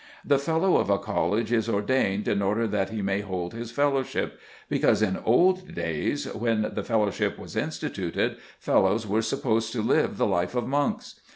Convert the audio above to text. The fellow of a college is ordained in order that he may hold his fellowship, because in old days, when the fellowship was instituted, fellows were supposed to live the life of monks.